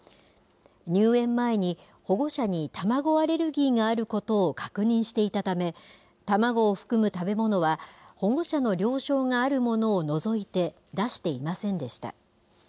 入園前に、保護者に卵アレルギーがあることを確認していたため、卵を含む食べ物は保護者の了承があるものを除いて出していませんでした。